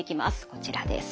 こちらです。